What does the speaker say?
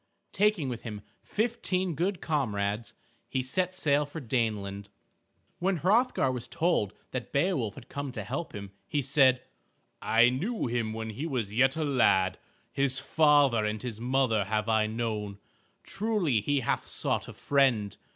Taking with him fifteen good comrades, he set sail for Daneland. When Hrothgar was told that Beowulf had come to help him, he said, "I knew him when he was yet a lad. His father and his mother have I known. Truly he hath sought a friend.